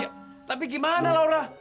ya tapi gimana laura